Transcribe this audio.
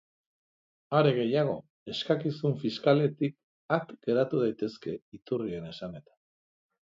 Are gehiago, eskakizun fiskaletik at geratu daitezke, iturrien esanetan.